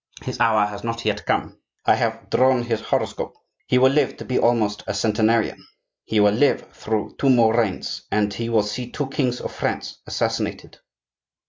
His hour has not yet come. I have drawn his horoscope; he will live to be almost a centenarian; he will live through two more reigns, and he will see two kings of France assassinated."